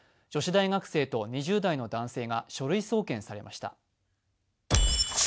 女子大学生と２０代の男性が書類送検されました。